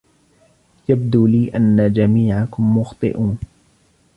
يبدو لي أن جميعكم مخطئون.